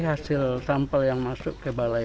hasil sampel yang masuk ke balai